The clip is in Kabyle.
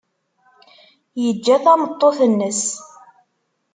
Yeǧǧa tameṭṭut-nnes.